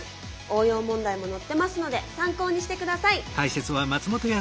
応用問題も載ってますので参考にして下さい！